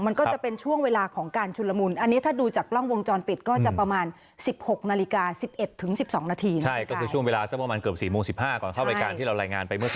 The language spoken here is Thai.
มาเข้ารายการที่เรารายงานไปเมื่อแสดงเค้าเลยท่าที่เหมือนนี้